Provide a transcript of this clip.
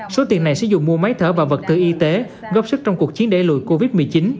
số tiền này sẽ dùng mua máy thở và vật tự y tế góp sức trong cuộc chiến đẩy lùi covid một mươi chín